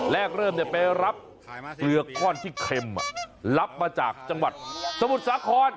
แรกเริ่มไปรับเกลือก้อนที่เค็มรับมาจากจังหวัดสมุทรสาคร